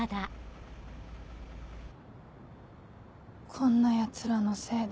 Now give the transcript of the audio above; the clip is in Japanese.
こんなヤツらのせいで。